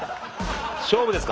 勝負ですか？